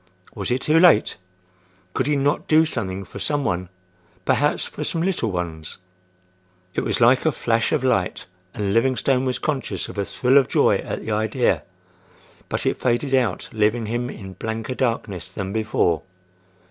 Was it too late? Could he not do something for some one?—perhaps, for some little ones? It was like a flash of light and Livingstone was conscious of a thrill of joy at the idea, but it faded out leaving him in blanker darkness than before.